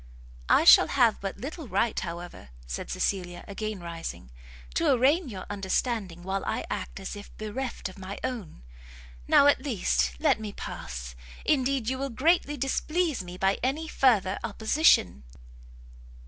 "I shall have but little right, however," said Cecilia, again rising, "to arraign your understanding while I act as if bereft of my own. Now, at least, let me pass; indeed you will greatly displease me by any further opposition."